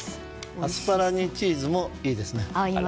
アスパラにチーズもいいですね。